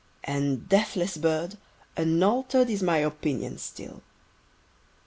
And, Deathless Bird, unalter'd Is mine opinion still.